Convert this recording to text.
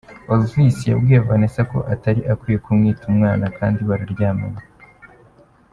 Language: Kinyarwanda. Olvis yabwiye Vanessa ko atari akwiye kumwita umwana kandi bararyamanye.